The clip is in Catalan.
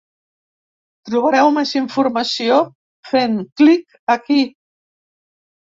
Trobareu més informació fent clic aquí.